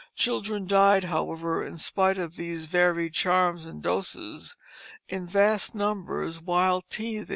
Children died, however, in spite of these varied charms and doses, in vast numbers while teething.